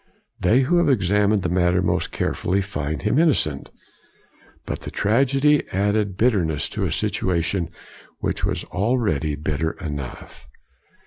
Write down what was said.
They who have examined the matter most carefully find him innocent. But the tragedy added bitterness to a situation which was already bitter enough.